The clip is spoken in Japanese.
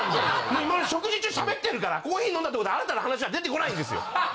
食事中喋ってるからコーヒー飲んだって新たな話は出てこないんですよ！